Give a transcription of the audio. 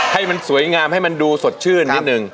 ให้มันสวยงามให้มันดูสดชื่นนิดนึง